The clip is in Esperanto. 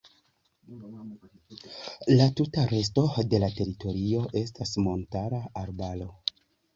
La tuta resto de la teritorio estas montara arbaro.